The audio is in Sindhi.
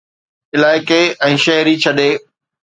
علائقي ۽ شهر ڇڏي